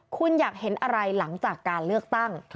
คุณอยากเห็นอะไรหลังจากการเลือกตั้ง